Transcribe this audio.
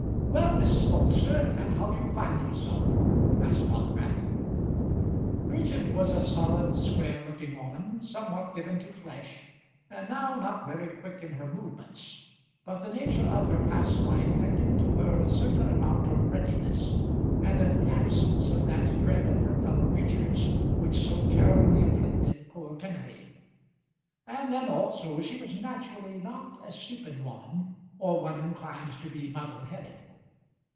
"Well, Mrs. Bolster, and how do you find yourself?" asked Dockwrath. Bridget was a solid, square looking woman, somewhat given to flesh, and now not very quick in her movements. But the nature of her past life had given to her a certain amount of readiness, and an absence of that dread of her fellow creatures, which so terribly afflicted poor Kenneby. And then also she was naturally not a stupid woman, or one inclined to be muddle headed.